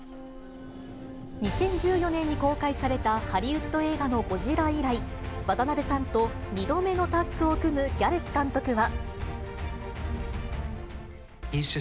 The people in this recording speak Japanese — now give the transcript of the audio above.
２０１４年に公開されたハリウッド映画のゴジラ以来、渡辺さんと２度目のタッグを組むギャレス監督は。